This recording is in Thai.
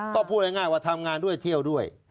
ก็พูดง่ายว่าทำงานด้วยเที่ยวด้วย